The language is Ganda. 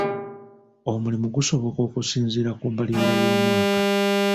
Omulimu gusoboka okusinziira ku mbalirira y'omwaka?